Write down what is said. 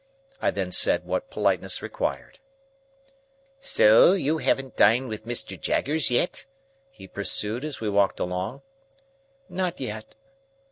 I then said what politeness required. "So, you haven't dined with Mr. Jaggers yet?" he pursued, as we walked along. "Not yet."